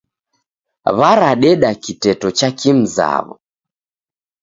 W'aradeda kiteto cha kimzaw'o.